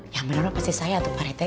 yang bener pasti saya tuh pak rete